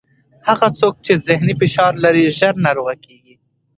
هغه څوک چې ذهني فشار لري، ژر ناروغه کېږي.